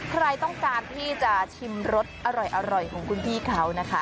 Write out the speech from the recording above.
ใครต้องการที่จะชิมรสอร่อยของคุณพี่เขานะคะ